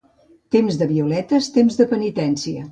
Temps de violetes, temps de penitència.